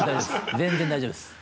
全然、大丈夫です。